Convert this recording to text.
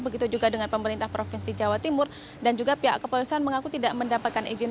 begitu juga dengan pemerintah provinsi jawa timur dan juga pihak kepolisian mengaku tidak mendapatkan izin